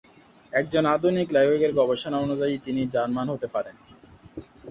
একজন আধুনিক লেখকের গবেষণা অনুযায়ী তিনি জার্মান হতে পারেন।